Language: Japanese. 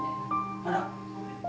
あら。